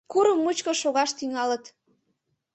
Курым мучко шогаш тӱҥалат...